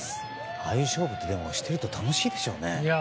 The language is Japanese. ああいう勝負してると楽しいでしょうね。